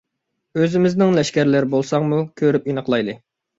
ئۆزىمىزنىڭ لەشكەرلىرى بولساڭمۇ، كۆرۈپ ئېنىقلايلى.